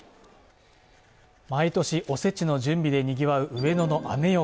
毎年、お節の準備でにぎわう上野のアメ横。